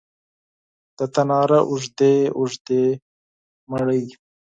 د تناره اوږدې، اوږدې ډوډۍ